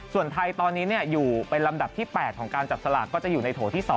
ส่วนไทยตอนนี้อยู่เป็นลำดับที่๘ของการจับสลากก็จะอยู่ในโถที่๒